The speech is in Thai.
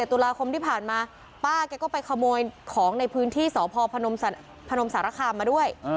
ตุลาคมที่ผ่านมาป้าแกก็ไปขโมยของในพื้นที่สพพนมสารคามมาด้วย